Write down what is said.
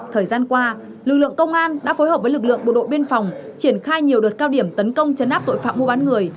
thời gian qua lực lượng công an đã phối hợp với lực lượng bộ đội biên phòng triển khai nhiều đợt cao điểm tấn công chấn áp tội phạm mua bán người